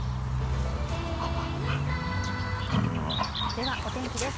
では、お天気です。